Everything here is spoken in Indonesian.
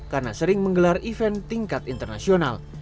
karena sering menggelar event tingkat internasional